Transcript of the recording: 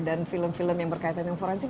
dan film film yang berkaitan dengan forensik